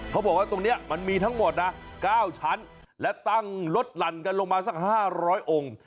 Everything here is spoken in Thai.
เขาบอกว่าตรงนี้มันมีทั้งหมดนะ๙ชั้นและตั้งรถหลั่นกันลงมาสัก๕๐๐องค์